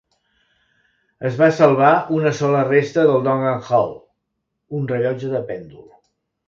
Es va salvar una sola resta del Dongan Hall, un rellotge de pèndol.